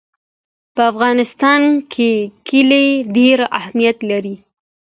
په افغانستان کې کلي ډېر اهمیت لري.